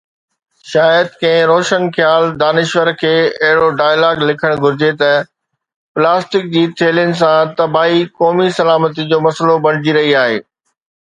شايد ڪنهن روشن خيال دانشور کي اهڙو ڊائلاگ لکڻ گهرجي ته پلاسٽڪ جي ٿيلهين سان تباهي قومي سلامتي جو مسئلو بڻجي رهي آهي.